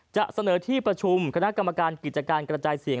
จะเสนอที่ประชุมคณะกรรมการกิจการกระจายเสียง